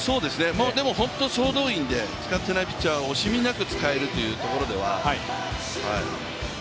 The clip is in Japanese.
本当、総動員で使ってないピッチャーを惜しみなく使えるというところでは。